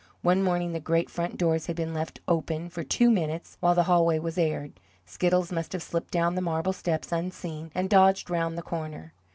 One morning the great front doors had been left open for two minutes while the hallway was aired. Skiddles must have slipped down the marble steps unseen, and dodged round the corner.